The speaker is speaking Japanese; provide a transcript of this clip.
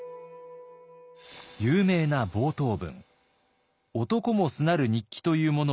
有名な冒頭文。